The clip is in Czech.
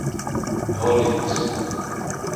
Holdings.